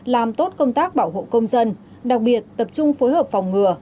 làm tốt công tác bảo hộ công dân đặc biệt tập trung phối hợp phòng ngừa